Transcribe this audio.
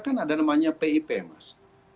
kan ada namanya pip mas